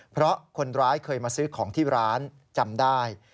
เพราะคนร้ายเคยมาซื้อของที่ร้านจำได้